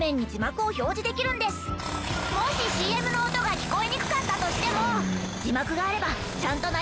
もしＣＭの音が聞こえにくかったとしても。